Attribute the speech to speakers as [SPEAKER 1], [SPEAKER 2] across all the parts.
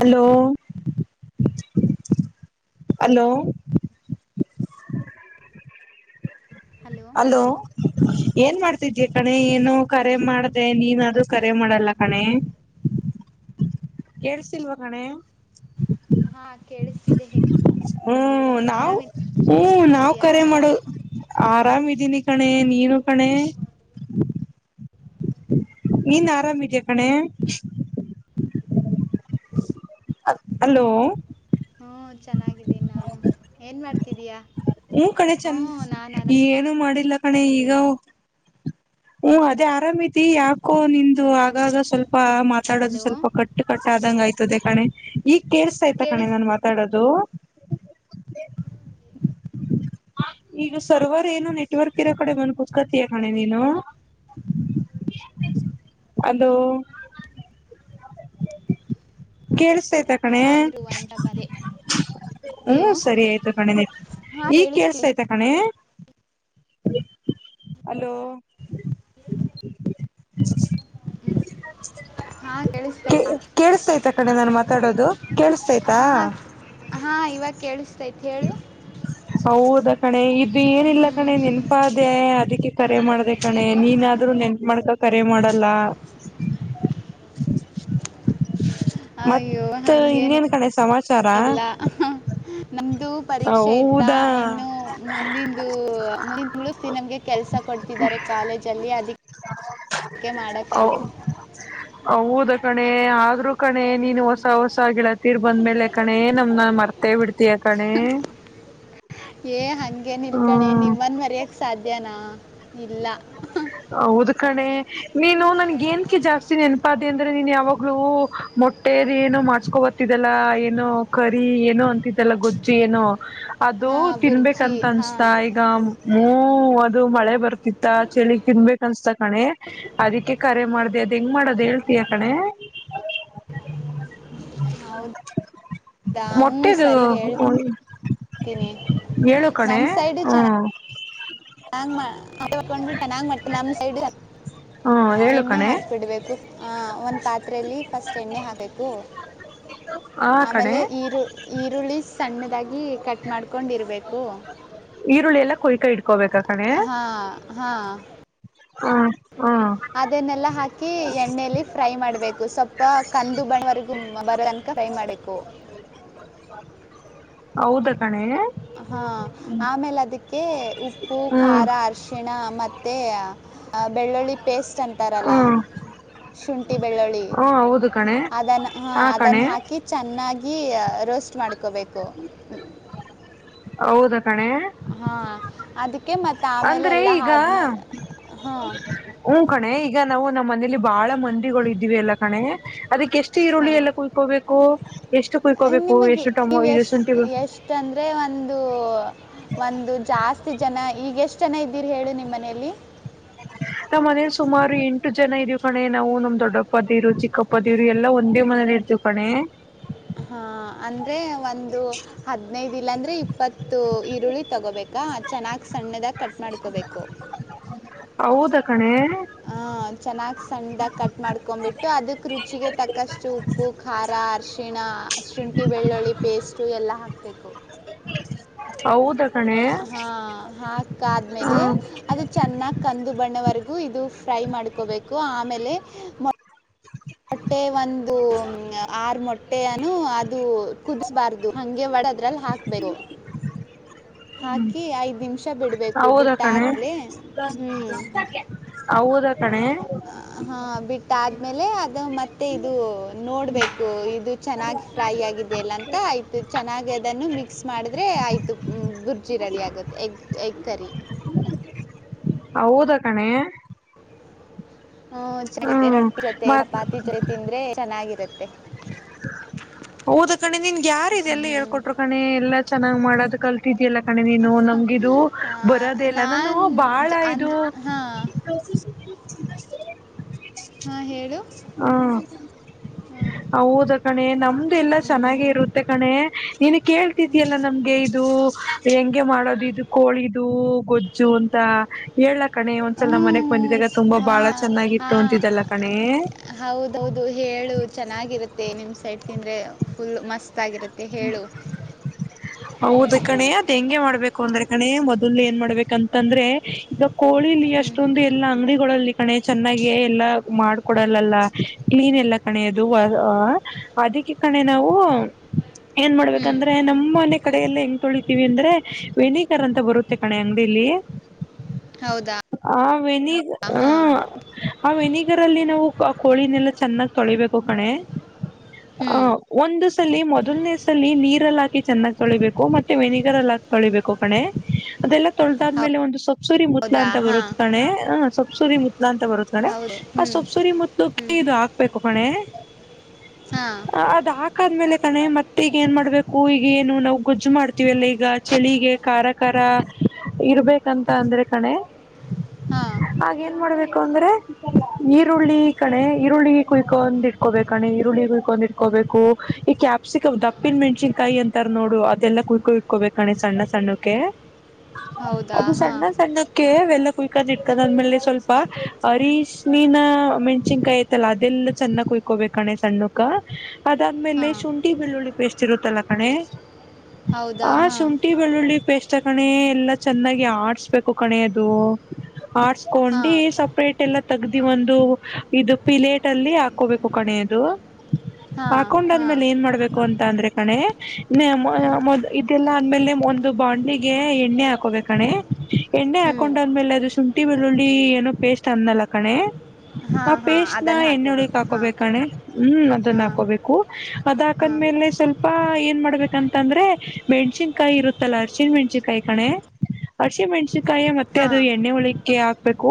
[SPEAKER 1] Hello hello
[SPEAKER 2] hello
[SPEAKER 1] hello ಏನ್ ಮಾಡ್ತಿದೀ ಕಣೆ ಏನು ಕರೆ ಮಾಡ್ದ ನೀನಾದೂ ಕರೆ ಮಾಡಲ್ಲ ಕಣೆ ಕೆಲಸಿಲ್ವ ಕಣೆ
[SPEAKER 2] ಹಾ ಕೇಳಿಸತೀ
[SPEAKER 1] ಹ್ಮ ನಾವ್ ಹ್ಮ್ ನಾವ್ ಕರೆ ಮಾಡುದು ಆರಾಮಿದೀನಿ ಕಣೆ ನೀನು ಕಣೇ ನೀನ್ ಆರಾಮಿದ್ಯಾ ಕಣೆ ಹಲೋ
[SPEAKER 2] ಹ್ಮ ಚೆನ್ನಾಗಿದ್ದೀನಿ ನಾನು ಏನ್ ಮಾಡ್ತಿದೀಯಾ
[SPEAKER 1] ಹ್ಮ ಕಣೆ
[SPEAKER 2] ಹ್ಞೂ
[SPEAKER 1] ಚಂದ
[SPEAKER 2] ನಾನು
[SPEAKER 1] ಏನು ಮಾಡಿಲ್ಲ ಕಣೆ ಈಗ
[SPEAKER 2] ಆರಾಮಿದ್ದೀನಿ
[SPEAKER 1] ಹ್ಮ್ ಅದೇ ಆರಾಮತಿ ಯಾಕೋ ನಿಂದು ಆ ಆಾಗ ಸ್ವಲ್ಪ ಮಾತಾಡೋದು
[SPEAKER 2] ಹಲೋ
[SPEAKER 1] ಸ್ವಲ್ಪ ಕಟ್ಟು ಕಟ್ಟ ಆದಂಗ ಆಯ್ತದೆ ಕಣೆ ಈಗ ಕೇ ಆಯ್ತಾ ಕಣೆ
[SPEAKER 2] ಕೇಳಿಸ್
[SPEAKER 1] ನಾನು ಮಾತಾಡೋದು
[SPEAKER 2] [inaudible]
[SPEAKER 1] ಈಗ ಸರ್ವರ್ ಏನೋ ನೆಟ್ವರ್ಕ್ ಇರೋ ಕಡೆ ಬಂದ ಕುತ್ಕತಿಯ ಕಣೆ ನೀನು ಅದು ಕೇೇಳಿಸತಯ್ತ ಕಣೆ
[SPEAKER 2] ಹಾ ಇರುವ ನಿಮಿಷ ಬಂದೆ
[SPEAKER 1] ಹ್ಮ
[SPEAKER 2] ಹಲೋ
[SPEAKER 1] ಸರಿ ಆಯ್ತು ಕಣೆ
[SPEAKER 2] ಹಾ
[SPEAKER 1] ಈಗ್ ಕೇಸ
[SPEAKER 2] ಕೇಳಿಸ್ತಿದೆ
[SPEAKER 1] ಆಯ್ತಾ ಕಣೆ ಅಲೋ [inaudible]
[SPEAKER 2] ಹ್ಮ್ ಹಾ ಕೇಳಿಸ್ತಯ್ತಾ
[SPEAKER 1] ಕೇಳಿಸತೈತೆ ಕಡೆ ನಾನು ಮಾತಾಡೋದು ಕೇಳಸ್ತೈತಾ
[SPEAKER 2] ಹಾ ಹಾ ಇವಾಗ ಕೇಳ್ಸ್ತಾ
[SPEAKER 1] ಹೌದ ಕಣೆ ಇದು ಏನಿಲ್ಲ
[SPEAKER 2] ಹ್ಮ್
[SPEAKER 1] ಕಣೆ ನೆನ್ಪ ಅದೆೇ ಅದಕ್ಕೆ ಕರೆ ಮಾಡ್ದ ಕಣೆ ನೀನಾದ್ರೂ ನೆನ್ಪ ಮಾಡಾ್ಕ ಕರೆ ಮಾಡಲ್ಲ [inaudible]
[SPEAKER 2] ಅಯ್ಯೋ
[SPEAKER 1] ಮತ್ತ ಇನ್ನೇನ್
[SPEAKER 2] ಹಂಗೇನಿಲ್ಲ
[SPEAKER 1] ಕಣೆ ಸಮಾಚಾರ.
[SPEAKER 2] ನಮ್ದು ಪರೀಕ್ಷೆ ಇತ್ತ
[SPEAKER 1] ಹೌದಾ
[SPEAKER 2] ಇನ್ನು ಮುಂದಂದು ಮುಂದಿನ ತಿಂಗ್ಳು ನಮ್ಗೆ. ಕೆಲಸ ಕೊಡ್ತಿದ್ದಾರೆ ಕಾಲೇಜ್ ಅಲ್ಲಿ ಅದಿಕ್ಕೆ
[SPEAKER 1] ಹ.
[SPEAKER 2] ಅದಕ್ಕೆ ಮಾಡಕ್ಕೆ ಆಗಲ್ಲ
[SPEAKER 1] ಹೌದು ಕಣೆ ಆದ್ರೂ ಕಣೆ ನೀನು ಹೊಸ ಹೊಸಗಿಳತ್ತ ಬಂದ್ಮೇಲೆ ಕಣೇ ನಮ್ ಮರ್ತೇ ಬಿಡ್ತೀಯ ಕಣ
[SPEAKER 2] ಏ ಹಗೆ ನಿಲ್ಕಣೆ
[SPEAKER 1] ಹ್ಮ್
[SPEAKER 2] ನಿಮ್ಮನ್ ಮರ್ಯಕ್ ಸಾಧ್ಯನಾ ಇಲ್ಲ
[SPEAKER 1] ಹೌದು ಕಣೆ ನೀನು ನನ್ಗ ಏನ್ಕ್ಕೆ ಜಾಸ್ತಿ ನೆನಪಾದ ಅಂದ್ರೆ ನೀನ್ ಯಾವಾಗ್ಲೂ ಮೊಟ್ಟ ಮೂಟ್ಟೇದ ಏನುೋ ಮಾಡ್ಸ್ಕೊಬತಿದ್ದಲ್ಲ ಏನೋ ಕರಿ ಏನುೋ ಅಂತಿದ್ದಲ್ಲ ಗೊಜ್ಜಿ ಏನೋ ಅದು
[SPEAKER 2] ಹಾಂ ಬುರ್ಜಿ
[SPEAKER 1] ತಿನ್ಬೇಕಂತ
[SPEAKER 2] ಹಾಂ
[SPEAKER 1] ಅನ್ಸ್ತಾ ಈಗ ಹ ಅದು ಮಳೆ ಬರ್ ತ್ತ ಚಳಿಗ್ ತಿನ್ಬೇಕ ಅನ್ಸ್ತ ಕಣೆ ಅದಕ್ಕೆ ಕರೆ ಮಾಡ್ದ ಹೆಂಗ್ ಮಾಡೋದು ಹೇಳ್ತಯ ಕಣೆ.
[SPEAKER 2] ಹೌದು ನಾೂ
[SPEAKER 1] ಮೊಟ್ಟೆದು
[SPEAKER 2] ಸರಿ ಹೇಳ್ತ.
[SPEAKER 1] ಹೇಳು
[SPEAKER 2] ನಮ್ಮ
[SPEAKER 1] ಕಣೆ
[SPEAKER 2] ಸೈಡ್ ಚೆನ್ನ.
[SPEAKER 1] ಹ್ಮ್
[SPEAKER 2] ನಂಗೊಂಡ್ ಬಿಟ್ಟ ನಂಗ ಮ ನಮ್ಮ್ ಸೈಡ್.
[SPEAKER 1] ಹಾ
[SPEAKER 2] [inaudible]
[SPEAKER 1] ಹೇಳು
[SPEAKER 2] ಎಣ್ಣೆ
[SPEAKER 1] ಕಣೆ
[SPEAKER 2] ಹಾಕ್ಬಿಡ್ಬೇಕು ಆ ಒಂದ್ ಪಾತ್ರೆಯಲ್ಲಿ ಫಸ್ಟ್ ಎಣ್ಣೆ ಹಾಕ್ಬೇಕು
[SPEAKER 1] ಹ
[SPEAKER 2] ಆಮೇಲೆ ಈರು ಈರುಳ್ಳಿ ಸಣ್ಣದಾಗಿ ಕಟ್ ಮಾಡ್ಕೊಂಡಿರ್ಬೇಕು
[SPEAKER 1] ಈರುಳ್ಳಿೆಲ್ಲ ಕೊಯ್ಾ ಇಡ್ತು
[SPEAKER 2] ಹಾ ಹಾ.
[SPEAKER 1] ಹ ಹ್ಮ.
[SPEAKER 2] ಅದನ್ನೆಲ್ಲಾ ಹಾಕಿ ಎಣ್ಣಲಿ ಫ್ರೈ ಮಾಡ್ಬೇಕು ಸ್ವಲ್ಪ ಕಂದು ಬಣವರ್ಗು ಬರ. ಫ್ರೈ ಮಾಡಬೇಕು
[SPEAKER 1] ಹೌದ ಕಣೆ
[SPEAKER 2] ಹಾ ಆಮೇಲೆ ಅದಕ್ಕೆ ಉಪ್ಪು
[SPEAKER 1] ಹ್ಮ್
[SPEAKER 2] ಖಾರ ಅರಶಿ ಿಣ ಮತ್ತುತ್ತ ಬೆಳ್ಳುಳ್ಳಿ ಪೇಸ್ಟ್ ಅಂತಾರಲ್ಲ
[SPEAKER 1] ಹ್ಮ್
[SPEAKER 2] ಶುಂಠಿ ಬೆಳ್ಳುಳ್ಳಿ
[SPEAKER 1] ಹ್ಮ ಹೌದು ಕಣೆ
[SPEAKER 2] ಅದನ್ನು ಹ
[SPEAKER 1] ಆ ಕಣೆ
[SPEAKER 2] ಅದನ್ನು ಹಾಕಿ ಅಕಿ ಚೆನ್ನಾಗಿ ರೋಸ್ಟ್ ಮಾಡ್ಕೋಬೇಕು
[SPEAKER 1] ಹೌದಾ ಕಣೆ
[SPEAKER 2] ಹಾ ಅದಕ್ಕೆ ಮತ್ತೆ ಆಮೇಲೆ
[SPEAKER 1] ಅಂದ್ರೆ
[SPEAKER 2] ಎಲ್ಲಾ
[SPEAKER 1] ಈಗ
[SPEAKER 2] ಆದ್ಮೇಲೆ ಹಾ
[SPEAKER 1] ಹ್ಮ ಕಣೆ ಈಗ ನಾವು ನಮ್ಮ್ ಮನೇಲಿ ಬಾಳ ಮಂದಿಗಳು ಇದ್ದಿವ ಎಲ್ಲ ಕಣೆ ಅದಕ್ಕೆ ಎಷ್ಟು ಈರುಳ್ಳಿ
[SPEAKER 2] ಹಾಂ
[SPEAKER 1] ಎಲ್ಲ ಕುಯ್ಕೋಬೇಕು ಎಷ್ಟು ಕುಯ್ಕೋಬೇಕು ಎಷ್ಟು ಟಮೊ ಇ ಎಷ್ಟುಂಟಿ
[SPEAKER 2] ಅಂದ್ರೆ ಒಂದು. ಒಂದು ಜಾಸ್ತಿ ಜನ ಈಗ ಎಷ್ಟ್ ಜನ ಇದ್ದೀರಿ ಹೇಳು ನಿಮ್ ಮನೇಲಿ.
[SPEAKER 1] ಹ. ನಮ್ಮನೇಲಿ ಸುಮಾರು ಎಂಟು ಜನ ಇದೀವಿ ಕಣೆ ನಾವು ನಮ್ ದೊಡ್ಡಪ್ಪದೀವರು ಚಿಕ್ಕಪ್ಪದಿವರು ಎಲ್ಲಾ ಒಂದೇ ಮನೇಲಿ ಇರ್ೀವಿ ಕಣೆ
[SPEAKER 2] ಹಾ ಅಂದ್ರೆ ಒಂದು ಹದ್ನೈದ ಇಲ್ಲಾ ಅಂದ್ರೆ ಇಪ್ಪತ್ತು ಈರುಳ್ಳಿ ತಗೋಬೇಕು ಈಗ ಚೆನ್ನಾಗಿ ಸಣ್ಣದಾಗ ಕಟ್ ಮಾಡ್ಕೋಬೇಕು
[SPEAKER 1] ಹೌದ ಕಣೆ
[SPEAKER 2] ಹ ಚೆನ್ನಾಗ್ ಸಣ್ಣದಾಗ ಕಟ್ ಮಾಡ್ಕೊ್ಬಿಟ್ಟು ಅದಕ್ ರುಚಿಗೆ ತಕ್ಕಷ್ಟು ಉ ಉಪ್ಪು ಖಾರ ಅರಿಶಿಣ ಶುಂಠಿ ಬೆಳ್ಳುಳ್ಳಿ ಪೇಸ್ಟು ಎಲ್ಲ ಹಾಕಬೇಕು
[SPEAKER 1] ಹೌದ ಕಣೆ
[SPEAKER 2] ಹಾ ಹಾಕ ಆದ್ಮೇಲೆ
[SPEAKER 1] ಹ್ಮ
[SPEAKER 2] ಅದು ಚೆನ್ನಾಗಿ ಕಂದು ಬಣ್ಣವರೆಗೂ ಇದು ಫ್ರೈ ಮಾಡ್ಕೋಬೇಕು ಆಮೇಲೆ ಮೊಟ್ಟೆ ಒಂದು ಆರು ಮೊಟ್ಟೆ ಹೊಟ್ಟೆಯ ಅದು ಕುದಿಸಬಾರ್ದು ಹಗೆ ಒಡದ್ರಲ್ಲಿ ಹಾಕ್ಬೇಕು ಹಾಕಿ ಐದ್ ನಿಮಿಷ ಬಿಡ್ಬೇಕು
[SPEAKER 1] ಹೌದ ಕಣೆ
[SPEAKER 2] ಬಿಟ್ಟಲೆೇ ಹ್ಮ್
[SPEAKER 1] ಹೌದ ತಣೆ
[SPEAKER 2] ಹಾ ಬಿಟ್ಟಾದ ಆದ್ಮೇಲೆ ಅದ ಇ ಮತ್ತೆ ಇದು ನೋಡ್ಬೇಕು ಇದು ಚೆನ್ನಾಗಿ ಫ್ರೈ ಆಗಿದಲ್ಲ ಅಂತ ಆಯ್ತ ಚೆನ್ನಾಗಿ ಅದನ್ನು ಮಿಕ್ಸ್ ಮಾಡಿದ್ರೆ ಆಯಿತು ಬುರ್ಜಿ ರೆಡಿ ಆಗುತ್ತೆ ಎಗ್ ಎಗ್ ಕರಿ
[SPEAKER 1] ಹೌದಾ ಕಣೆ
[SPEAKER 2] ಹ್ಮ ಚೆನ್ನ
[SPEAKER 1] ಹ್ಮ್
[SPEAKER 2] ರೊಟ್ಟಿ ಜೊತೆ
[SPEAKER 1] ಮತ್
[SPEAKER 2] ಚಪಾತಿ ಜೊತೆ ತಿಂದ್ರೆ ಚೆನ್ನಾಗಿರತ್ತೆ
[SPEAKER 1] ಹೌದ ಕಣೆ ನಿನ್ಗೆ ಯಾರ ಇಿದೆ ಎಲ್ಲ
[SPEAKER 2] ಹ್ಞೂ
[SPEAKER 1] ಹೇಳ್ಕೊಟ್ರು ಕಣೆ ಎಲ್ಲಾ ಚೆನ್ನಾಗ್ ಮಾಡೋದ ಕಲ್ ತಿದಯಲ್ಲ ಕಣೆ ನೀನು ನಮ್ಗಿದು ಬರೋದೆೇ ಇಲ್ಲ ನಾನು ಬಾಳ ಇದು
[SPEAKER 2] ಅಂದ್ರೆ ಹಾಂ
[SPEAKER 1] ಹೌ
[SPEAKER 2] ಹಾಂ ಹೇಳು ಹಾಂ
[SPEAKER 1] ಹೌದ ಕಣೆ ನಮ್ದು ಎಲ್ಲಾ ಚೆನ್ನಾಗೆ ಇರುತ್ತೆ ಕಣೆ ನೀನು ಕೇಳ್ತಿದಿಯಲ್ಲ ನಮ್ಗೆ ಇದು ಹೆಂಗೆ ಮಾಡೋದು ಇದು ಕೋಳಿದು ಗೊಜ್ಜು ಅಂತ ಹೇಳಳ್ಲಕ್ಕ ಕಣೆ ಒಂದ್ಸಲ ನಮ್ಮ ಮನೆಗ್
[SPEAKER 2] ಹ್ಞೂ
[SPEAKER 1] ಬಂದಿದಾಗ ತುಂಬಾ ಬಾಳ
[SPEAKER 2] ಹಾಂ
[SPEAKER 1] ಚೆನ್ನಾಗಿತ್ತು
[SPEAKER 2] ಹಾಂ
[SPEAKER 1] ಅಂತಿದ್ದಲ್ಲ ಕಣೆ
[SPEAKER 2] ಹೌದೌದು ಹೇಳು ಚೆನ್ನಾಗಿರುತ್ತೆ ನಿಮ್ಮ ಸೈಟ್ ತಿಂದ್ರೆ ಫುಲ್ ಮಸ್ತ್
[SPEAKER 1] ಹ್ಮ ಹೌದ ಕಣೆ ಅದ್ ಹೆಂಗೆ ಮಾಡ್ಬೇಕು ಅಂದ್ರೆ ಕಣೆ ಮೊದಲ್ ಏನ್ ಮಾಡ್ಬೇಕಂತಂದ್ರೆ ಈಗ ಕೋಳಿಲಿ
[SPEAKER 2] ಹ್ಞೂ
[SPEAKER 1] ಅಷ್ಟೊಂದು ಎಲ್ಲ ಅಂಗಡಿ ಕಣೆ ಚೆನ್ನಾಗ ಎಲ್ಲ ಮಾಡಕೊಡಲ್ಲಲ್ಲ ಕ್ಲೀನ್ ಎಲ್ಲ ಹನೆದು ಅದಕ್ಕೆ ಕಣೆ ನಾವು ಏನ್
[SPEAKER 2] ಹ್ಞೂ
[SPEAKER 1] ಮಾಡ್ಬೇಕಂದ್ರೆ ನಮ್ಮ ಮನೆ ಕಡೆ ಅಲ್ಲಿ ತೊಳಿತೀವಿ ಅಂದ್ರೆ ವೆನಿಗರ್ ಅಂತ ಬರುತ್ತೆ ಕಣೆ ಅಂಗಡಿ ಇಲ್ಲಿ
[SPEAKER 2] ಹೌದಾ
[SPEAKER 1] ಆ ವನಿಗ
[SPEAKER 2] ಹಾಂ
[SPEAKER 1] ಹ್ಮ ಆ ವೆಿನಿಗರ್ ಅಲ್ಲಿ ನಾವು ಕೋಳಿನೆಲ್ಲ ಚೆನ್ನಾಗ್ ತೊಳಿಬೇಕು ಕಣೆ
[SPEAKER 2] ಹ್ಞೂ
[SPEAKER 1] ಆ ಒಂದು ಸಲಿ ಮೊದಲನೇ ಲ್ಲಿ ನೀರಲ್ಲಿ ಹಾಕಿ ಚೆನ್ನಾಗ್ ತೊಳಿಬೇಕು ಮತ್ತೆ ವೆನಿಗರ್ ಅಲ್ಲಿ ಹಾಕಿ ತೊಳಿಬೇಕು ಕಣೆ ಅದೆಲ್ಲ ತೊಳೆದಾದ್ಮೇಲೆ ಒಂದು ಸೊಪ್ಸುರಿ ಮುತ್ಲಾ
[SPEAKER 2] ಹೌದಾ
[SPEAKER 1] ಅಂತ
[SPEAKER 2] ಹಾಂ
[SPEAKER 1] ಬರುತ್ತತ್ ಕಣೆ ಹ ಸಬ್ಸೂರಿ ಮುತ್ಲಾ ಅಂತ ಬರುತ್ತತ್ ಕಣೆ
[SPEAKER 2] ಹೌದು
[SPEAKER 1] ಆ
[SPEAKER 2] ಹ್ಞೂ
[SPEAKER 1] ಸೊಬ್ಸುರಿ
[SPEAKER 2] ಹ್ಞೂ
[SPEAKER 1] ಮದಲುಕ್ಕೆ ಇದು ಹಾಕ್ಬೇಕು ಕಣೆ
[SPEAKER 2] ಹಾಂ
[SPEAKER 1] ಅದ ಹಾಕ್ ದ್ಮೇಲೆ ಕಣೆತ್ತೆ [unintelligible] ಮತ್ತ ಈಗ ಏನ್ ಮಾಡ್ಬೇಕು ಈಗ ಏನು ನಾವು ಗೊಜ್ಜು ಮಾಡ್ತೀವಿ ಎಲ್ಲ ಈಗ ಚಳಿಗೆ ಖಾರ ಕಾರ ಇರ್ಬೇಕಂತ ಅಂದ್ರೆ ಕಣೆ
[SPEAKER 2] ಹಾ
[SPEAKER 1] ಆೇಏನ್ ಮಾಡ್ಬೇಕು ಅಂದ್ರೆ ಈರುಳ್ಳಿ ಕಣೆ ಈರುಳ್ಳಿ ಕುಯ್ಕೊಂಡ್ ಇಟ್ಕೋಬೇಕಣೆ ಈರುಳ್ಳಿ ಕುಯ್ಕೊಂಡಿ ಕೊಬೇಕು ಈ ಕ್ಯಾಪ್ಸಿಕ್ ದಪ್ಪಿನ ಮೆಣಸನ್ಕಾಯಿ ಅಂತಾರ ನೋಡು ಅದೆಲ್ಲ ಕುರ್ಕೊ ಇಟ್ಕೋಬೇಕಣೆ ಸಣ್ಣ ಸಣ್ಣಕ್ಕೆ
[SPEAKER 2] ಹೌದಾ
[SPEAKER 1] ಅದು
[SPEAKER 2] ಹಾಂ
[SPEAKER 1] ಸಣ್ಣ ಸಣ್ಣೆ ಕವೆಲ್ಲ ಕುಯಕ್ ಆದ್ ಇಟ್ಕದ ಅ ಆದ್ಮೇಲೆ ಸ್ವಲ್ಪ ಅರಶ್ಣೀಿನ ಮೆಣ್ಸಿನ್ಕಾಯಿ ಅದೆಲ್ಲ ಚೆನ್ನಾಗ ಕುಯಕಬೇಕುಣ್ಣ ಸಣ್ಣ ಅಕ್ಕಾ ಅದಾದ್ಮೇಲೆ
[SPEAKER 2] ಹಾಂ
[SPEAKER 1] ಶುಂಠಿ ಬೆಳ್ಳುಳ್ಳಿ ಪೇಸ್ಟ್ ಇರುತ್ತಲ್ಲ ಕಣೆ.
[SPEAKER 2] ಹೌದಾ
[SPEAKER 1] [inaudible] ಆ
[SPEAKER 2] ಹಾಂ
[SPEAKER 1] ಶುಂಟಿ ಶುಂಠಿ ಬೆಳ್ಳುಳ್ಳಿ ಪೇಸ್ಟ್ ಕಣೆ ಎಲ್ಲಾ ಚೆನ್ನಾಗಿ ಆಡ್ಸ್ಬೇಕು ಕಣೆ ಅದು ಅಡಸಿಬಿಟ್ಟ ಕೊಂಡಿ
[SPEAKER 2] ಹಾಂ
[SPEAKER 1] ಸಪ್ರೇಟ್ ಎಲ್ಲ ತೆಗ್ದಿ ಒಂದು ಇದು ಪಿಲೇಟ್ ಅಲ್ಲಿ ಹಾಕೋಬೇಕು ಕಣೆ ಅದು
[SPEAKER 2] ಹಾಂ ಹಾಂ
[SPEAKER 1] ಹಾಕೊಂಡಾದ್ಮೇಲೆ ಏನ್ ಮಾಡ್ಬೇಕು ಅಂತ ಅಂದ್ರೆ ಕಣೆ ನಿನ್ನೆ ಮೊ
[SPEAKER 2] ಹ್ಞೂ
[SPEAKER 1] ಮೊದಲ ಇದೆಲ್ಲಾ ಅಂದ್ಮೇಲೆ ಒಂದು ಬಾಂಡ್ಲೀಗೆ ಎಣ್ಣೆ ಹಾಕೋಬೇಕ ಕಣೆ ಎಣ್ಣೆ
[SPEAKER 2] ಹ್ಞೂ
[SPEAKER 1] ಹಾಕೊಂಡ ಆದ್ಮೇಲೆ ಅದು ಶುಂಠಿ ಬೆಳ್ಳುಳ್ಳಿ ಏನೋ ಪೇಸ್ಟ್ ಅಂದಲ್ಲ ಕಣೆ ಆ
[SPEAKER 2] ಹಾಂ ಹಾಂ
[SPEAKER 1] ಪೇಸ್ಟ್ ನ
[SPEAKER 2] ಅದನ್ನು
[SPEAKER 1] ಎಣ್ಣೊಳ್ಕ್
[SPEAKER 2] ಹಾಕ್ಕೋಬೇಕು ಹಾಂ
[SPEAKER 1] ಹಾಕೋಬೇಕಣೆ ಹ್ಮ್ ಅದನ್ನ
[SPEAKER 2] ಹಾಂ
[SPEAKER 1] ಹಾಕೋಬೇಕು ಅದಆದ
[SPEAKER 2] ಹಾಂ
[SPEAKER 1] ಮುಖದ್ದ್ಮೇಲೆ ಹಂಗೆ ಸ್ವಲ್ಪ ಏನ್ ಮಾಡ್ಬೇಕಂತ ಅಂದ್ರೆ ಮೆಣ್ಸಿನ್ಕಾಯಿ ಇರುತ್ತಲ್ಲ ಅರ್ಶಿಣ ಮೆಣ್ಸನ್ಕಾಯಿ ಕಣೆ. ಹಸಿ ಮೆಣ್ಸನ್ಕಾಯಿ ಮತ್ತೆ ಅದು
[SPEAKER 2] ಹಾಂ
[SPEAKER 1] ಎಣ್ಣೆ ಹೊಳಕ್ಕೆ ಹಾಕ್ಬೇಕು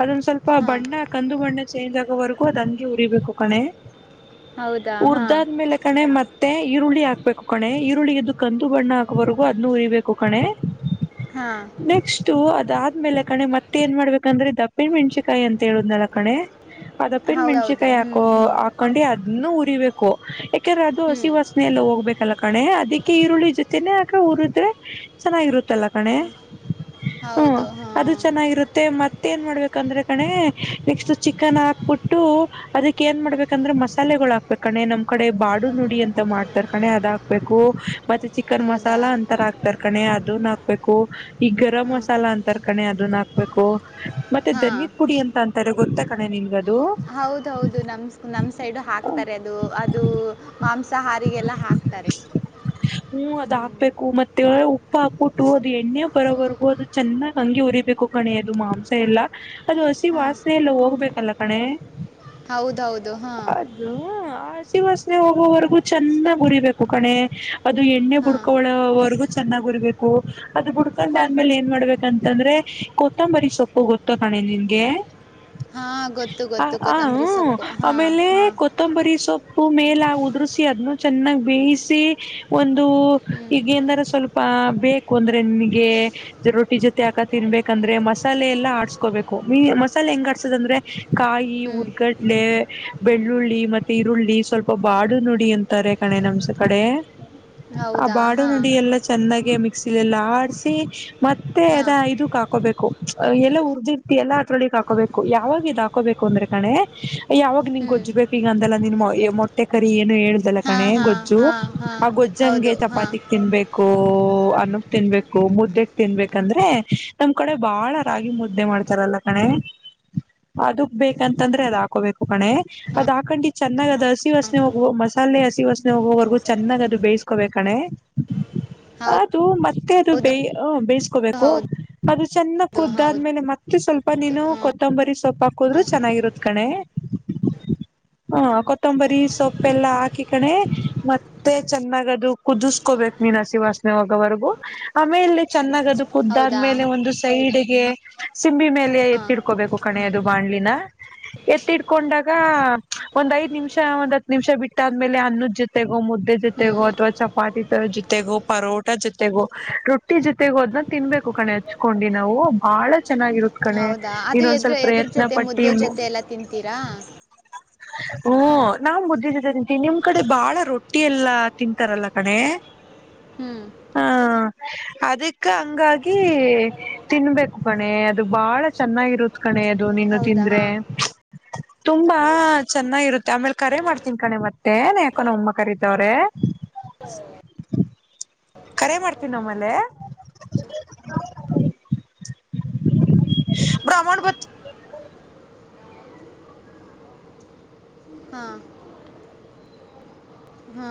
[SPEAKER 1] ಅದೊಂದ ಸ್ವಲ್ಪ
[SPEAKER 2] ಹಾಂ
[SPEAKER 1] ಬಣ್ಣ ಕಂದು ಬಣ್ಣ ಚೇಂಜ್ ಆಗೋವರೆಗೂ ಅದ ಹಂಗೆ ಉರಿಬೇಕು ಕಣೆ
[SPEAKER 2] ಹೌದಾ
[SPEAKER 1] [inaudible]
[SPEAKER 2] ಹಾಂ
[SPEAKER 1] ಉರ್ದಾದ್ಮೇಲೆ ಕಣೆ ಮತ್ತೆ ಈರುಳ್ಳಿ ಹಾಕ್ಬೇಕು ಕಣೆ ಈರುಳ್ಳಿದು ಕಂದು ಬಣ್ಣ ಆಗೋವರೆಗೂ ಅದನ್ನು ಉರಿಬೇಕು ಕಣೆ
[SPEAKER 2] ಹಾ
[SPEAKER 1] ನೆಕ್ಸ್ಟ್ ಅದಾದ್ಮೇಲೆ ಕಣೆ ಮತ್ತೆ ಏನ್ ಮಾಡ್ಬೇಕಂದ್ರೆ ದಪ್ಪಿ ಮೆಣ್ಸಿಕಾಯಿ ಅಂತ ಹೇಳುದ್ನಲ್ಲ ಕಣೆ. ಅದಪ್ಪನ್
[SPEAKER 2] ಹೌದೌದು
[SPEAKER 1] ಮೆಣ್ಸಕಾಯಿ
[SPEAKER 2] ಹ್ಞೂ
[SPEAKER 1] ಹಾಕು
[SPEAKER 2] ಹ್ಞೂ
[SPEAKER 1] ಅದೇ ಅದನ್ನು ಉರಿಬೇಕು ಯಾಕೆಂದ್ರೆ ಅದು
[SPEAKER 2] ಹ್ಞೂ
[SPEAKER 1] ಹಸಿ ವಸ್ ಎಲ್ಲ ಹೋಗ್ಬೇಕಲ್ಲ ಕಣೆ ಅದಿಕ್ಕೆ ಈರುಳ್ಳಿ ಜೊತೆನೆ ಆಗ ಉರದ್ರೆ ಚೆನ್ನಾಗಿರುತ್ತಲ್ಲ ಕಣೆ [inaudible] ಹ್ಮ
[SPEAKER 2] ಹೌದು
[SPEAKER 1] ಅದು
[SPEAKER 2] ಹಾಂ
[SPEAKER 1] ಚೆನ್ನಾಗಿರುತ್ತೆ ಮತ್ತ ಏನ್ ಮಾಡ್ಬೇಕಂದ್ರೆ ಕಣೆ ನೆಕ್ಸ್ಟ್ ಚಿಕನ್ ಹಾಕ್ಬಿಟ್ಟು. ಅದಕ್ಕೆ ಏನ್ ಮಾಡ್ಬೇಕಂದ್ರೆ ಮಸಾಲೆಗಳು ಹಾಕ್ಬೇಕ ಕಣೆ ನಮ್ ಕಡೆ ಬಾಳ ನುಡಿ ಅಂತ ಮಾಡ್ತಾರ್ ಕಣೆ ಅದ ಹಾಕ್ಬೇಕು ಮತ್ತೆ ಚಿಕನ್
[SPEAKER 2] ಹೌದಾ
[SPEAKER 1] ಮಸಾಲಾ ಅಂತರ ಹಾಕ್ತರ್ ಕಣೆ ಅದನ್ ಹಾಕ್ಬೇಕು ಈಗ ಗರಂ
[SPEAKER 2] ಹಾಂ
[SPEAKER 1] ಮಸಾಲ ಅಂತಾರ್ ಕಣೆ ಅದನ್ ಹಾಕ್ಬೇಕು ಮತ್ತೆ
[SPEAKER 2] ಹಾಂ
[SPEAKER 1] ಧನಿದ ಪುಡಿ ಅಂತ ಅಂತಾರೆ ಗೊತ್ತ ಕಣೆ ನಿನ್ಗ ಅದು.
[SPEAKER 2] ಹೌದ ಹೌದ ನಮ್ ನಮ್ ಸೈಡು ಹಾಕ್ತಾರೆ ಅದು ಅದು.. ಮಾಂಸ ಹಾರಿಗೆಲ್ಲ ಹಾಕ್ತಾರೆ.
[SPEAKER 1] ಹ್ಮ ಅದ ಹಾಕ್ಬೇಕು ಮತ್ತೆ ಉಪ್ಪು ಹಾಕ್ಬಿಟ್ಟು ಅದು ಎಣ್ಣೆ ಬರೋವರೆಗೂ ಅದು ಚೆನ್ನಾಗ್ ಹಂಗೆ ಉರಿಬೇಕು. ಕಣೆ ಅದು ಮಾಂಸ ಎಲ್ಲಾ ಅದು ಹಸಿ
[SPEAKER 2] ಹಾಂ
[SPEAKER 1] ವಾಸನೆ ಎಲ್ಲ ಹೋಗ್ಬೇಕಲ್ಲ ಕಣೆ.
[SPEAKER 2] ಹೌದೌ ಹೌದ ಹಾ
[SPEAKER 1] ಅದು ಹಸಿವಾಸನೆ ಹೋಗೋವರೆಗು ಚೆನ್ನಾಗ್ ಉರಿಬೇಕು ಕಣೆ ಅದು ಎಣ್ಣೆ
[SPEAKER 2] ಹಾಂ
[SPEAKER 1] ಬುಡ್ಕೊ ಒಳ ವರ್ಗು ಚೆನ್ನಾಗ್ ಉರ್ಬೇಕು ಅದ ಬಿುಡ್ಕೊಂಡ್ ಏನ್ ಮಾಡ್ಬೇಕಂತಂದ್ರೆ. ಕೊತ್ತಂಬರಿ ಸೊಪ್ಪು ಗೊತ್ತ ಕಣೆ ನಿನ್ಗೆ
[SPEAKER 2] ಹಾಂ ಗೊತ್ತು
[SPEAKER 1] [inaudible] ಆ
[SPEAKER 2] ಗೊತ್ತು
[SPEAKER 1] ಆ ಹು
[SPEAKER 2] ಕೊತ್ತಂಬರಿ ಸೊಪ್ಪು ಹಾಂ
[SPEAKER 1] ಆಮೇಲೆ
[SPEAKER 2] ಹಾಂ
[SPEAKER 1] ಕೊತ್ತ ಕೊತ್ತಂಬರಿ ಸೊಪ್ಪು ಮೇಲಾ ಉದುರಸಿ ಅದನ್ನು ಚೆನ್ನಾಗಿ ಬೇಯಿಸಿ ಒಂದು
[SPEAKER 2] ಹ್ಞೂ
[SPEAKER 1] ಈಗ ಏನರ ಸ್ವಲ್ಪ ಬೇಕು ಅಂದ್ರೆ ನಿನ್ಗೆ ರೊಟ್ಟಿ ಜೊತೆ ಆಕ ತಿನ್ಬೇಕಂದ್ರೆ ಮಸಾಲೆ ಎಲ್ಲಾ ಆಡ್ಸ್ಕೋಬೇಕು ನಿ ಮಸಾಲೆ ಹೆಂಗ ಆಡ್ಸದಂದ್ರೆ. ಕಾಯಿ
[SPEAKER 2] ಹ್ಞೂ
[SPEAKER 1] ಉರ್ಗಡ್ಲೆ ಬೆಳ್ಳುಳ್ಳಿ ಮತ್ತೆ ಈರುಳ್ಳಿ ಸ್ವಲ್ಪ ಬಾಡು ನುಡಿ ಅಂತಾರೆ ಕಣೆ ನಮ್ಸ ಕಡೆ ಆ
[SPEAKER 2] ಹೌದಾ
[SPEAKER 1] ಬಾಡು
[SPEAKER 2] ಹಾಂ
[SPEAKER 1] ನುಡಿ ಎಲ್ಲ ಚೆನ್ನಾಗ ಮಿಕ್ಸಿಲೆ ಎಲ್ಲ ಆಡ್ಸಿ ಮತ್ತೆ ಅದ
[SPEAKER 2] ಹಾಂ
[SPEAKER 1] ಇದಕ್ ಹಾಕೋಬೇಕು. ಎಲ್ಲ ಉರ್ದಿರ್ತಿ ಎಲ್ಲಾ ಹತ್ರರೊಳಗ್ ಹಾಕೋಬೇಕು ಯಾವಾಗ ಇದ್ ಹಾಕೋಬೇಕು ಅಂದ್ರೆ ಕಣೆ ಯಾವಾಗ ನಿನ್
[SPEAKER 2] ಹ್ಞೂ
[SPEAKER 1] ಗೊಜ್ಜು ಬೇಕ್ ಈಗ ಅಂದಲ್ಲ ನಿನ್ ಮೊಟ್ಟೆ ಕರಿ ಏನು ಹೇಳ ಇಲ್ಲ
[SPEAKER 2] ಹಾಂ
[SPEAKER 1] ಕಣೆ
[SPEAKER 2] ಹಾಂ
[SPEAKER 1] ಗೊಜ್ಜು
[SPEAKER 2] ಹಾಂ ಹಾಂ
[SPEAKER 1] ಆ ಗೊಜ್ಜಂಗೆ
[SPEAKER 2] ಹೌದು ಹಾಂ
[SPEAKER 1] ಚಪಾತಿಗ್ ತಿನ್ಬೇಕು.. ಒಹ್ ಅನ್ನಗ್ ತಿನ್ಬೇಕು ಮುದ್ದೆಕ್ ತಿನ್ಬೇಕಂದ್ರೆ ನಮ್ ಕಡೆ ಬಾಳ ರಾಗಿ ಮುದ್ದೆ ಮಾಡ್ ಬರಲ್ಲ ಕಣೆ ಅದಕ್ ಬೇಕಂತಂದ್ರೆ ಅದ ಹಾಕೋಬೇಕು ಕಣೆ ಅದ್ ಹಾಕೊಂಡು ಚೆನ್ನಾಗ ಹಸಿ ವಾಸನೆ ಹೋಗ ಮಸಾಲೆ ಹಸಿ ವಸನೆ ಹೋಗುವರೆಗೂ ಚೆನ್ನಾಗ ಅದು ಬೇಯಸ್ಕೋಬೇಕಣೆ ಅದು ಮತ್ತೆ ಅದು
[SPEAKER 2] ಹೌದು
[SPEAKER 1] ಬೇಯ ಹ ಬೇಯಿಸ್ಕೋಬೇಕು
[SPEAKER 2] ಹೌದು
[SPEAKER 1] ಅದು ಚೆನ್ನ
[SPEAKER 2] ಹೌದು
[SPEAKER 1] ಕುದ್ದಾದ್ಮೇಲೆ ಮತ್ತೆ ಮತ್ತೆ ಸ್ವಲ್ಪ ನೀನು
[SPEAKER 2] ಹಾ,
[SPEAKER 1] ಕೊತ್ತಂಬರಿ ಸೊಪ್ ಹಾಕದ್ರು ಚೆನ್ನಾಗಿರುತ್ ಕಣೆ ಹಾ ಕೊತ್ತಂಬರಿ ಸೊಪ್ಪ ಎಲ್ಲಾ ಹಾಕ ಕಣೆ ಮತ್ತ ಮತ್ತೆ ಚೆನ್ನಾಗದು ಕುದಿಸಕೋಬೇಕು ನೀನು ಹಸಿ ವಸನೆ ಹೋಗುವರೆಗೂ ಆಮೇಲೆ ಚೆನ್ನಾಗದು
[SPEAKER 2] ಹೌದಾ
[SPEAKER 1] ಕುದ್ದಾದ್ಮೇಲೆ ಒಂದು ಸೈಡ್ಗೆ ಸಿಂಬಿ ಮೇಲೆ
[SPEAKER 2] ಹಾಂ
[SPEAKER 1] ಎತ್ತಿಡ್ಕೋಬೇಕು ಕಣೆ ಅದು ಬಾಣ್ಲಿನ ಎತ್ತಿಡ್ಕೊಂಡಾಗ ಒಂದ್ ಐದ್ ನಿಮಿಷ ಒಂದ ನಿಮಿಷ ಬಿಟ್ಟಾದ್ಮೇಲೆ ಅನ್ನದ ಜೊತೆಗೋ ಮುದ್ದೆ
[SPEAKER 2] ಹ್ಞೂ
[SPEAKER 1] ಜೊತೆಗೋ ಅಥವಾ ಚಪಾತಿ ತರ ಜೊತೆಗೋ ಪರೋಟ ಜೊತೆಗೂ ರೊಟ್ಟಿ ಜೊತೆಗೂ ಅದನ್ನ ತಿನ್ಬೇಕು ಕಣೆ ಹಚ್ಕೊಂಡು ನಾವು ಬಹಳ ಚೆನ್ನಾಗಿರುತ್ತ ಕಣೆ
[SPEAKER 2] ಹೌದಾ ಅದು ಎದ್ರ
[SPEAKER 1] ಇನ್ನೊಂದ್ಸವಲ್
[SPEAKER 2] ಎದ್ರ
[SPEAKER 1] ಪ್ರಯತ್ನ
[SPEAKER 2] ಜೊತೆ
[SPEAKER 1] ಪಟ್ಟಿ
[SPEAKER 2] ಮುದ್ದೆ ಜೊತೆ ಎಲ್ಲ ತಿಂತೀರಾ
[SPEAKER 1] ಹ್ಮ
[SPEAKER 2] ಹಾಂ
[SPEAKER 1] ನಾನು ಮುದ್ದೆ ಜೊತೆ ತಿಂತೀನಿ ನಿಮ್ ಕಡೆ ಬಾಳ ರೊಟ್ಟಿ ಎಲ್ಲಾ ತಿಂತಾರಲ್ಲ ಕಣೆ
[SPEAKER 2] ಹ್ಮ್
[SPEAKER 1] ಹಾ ಅದಕ್ಕ ಹಂಗಾಗಿ ತಿನ್ಬೇಕು ಕಣೆ ಅದು ಬಾಳ ಚೆನ್ನಾಗಿರುತ್ ಕಣೆ ನೀನು
[SPEAKER 2] ಹೌದಾ
[SPEAKER 1] ತಿಂದ್ರೆ ತುಂಬಾ ಚೆನ್ನಾಗಿರುತ್ತೆ ಆಮೇಲೆ ಕರೆ ಮಾಡ್ತ ತಿನ್ಕಣೆ ಮತ್ತೆ ಯಾಕೋ ನಮ್ಮ್ ಅಮ್ಮ ಕರಿತವ್ರೆ ಕರೆ ಮಾಡ್ತೀನಿ ಆಮೇಲೆ ಬ್ರಾ ಅಮೋಟ್ ಬಂತ
[SPEAKER 2] ಹಾ ಹಾಂ